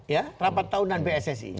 ya rapat tahunan pssi